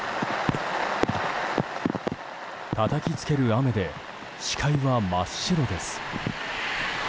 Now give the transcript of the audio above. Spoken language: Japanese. たたきつける雨で視界は真っ白です。